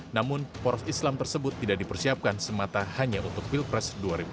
namun poros islam tersebut tidak dipersiapkan semata hanya untuk pilpres dua ribu sembilan belas